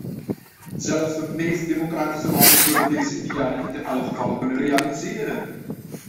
Zelfs de meest democratische landen zullen deze idealen niet in alle gevallen kunnen realiseren.